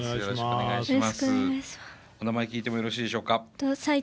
お名前聞いてもよろしいでしょうか？